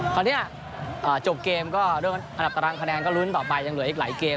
คราวนี้จบเกมก็เรื่องอันดับตารางคะแนนก็ลุ้นต่อไปยังเหลืออีกหลายเกม